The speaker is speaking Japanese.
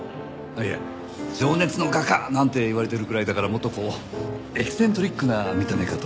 いや「情熱の画家」なんていわれてるぐらいだからもっとこうエキセントリックな見た目かと。